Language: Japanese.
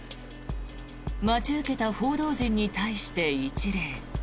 待ち受けた報道陣に対して一礼。